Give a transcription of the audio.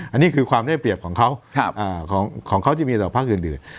อันนี้คือความได้เปรียบของเค้าของเค้าจะมีแต่ภักดิ์อื่น